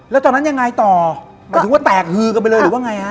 แล้วตอนนั้นยังไงต่อหมายถึงว่าแตกฮือกันไปเลยหรือว่าไงฮะ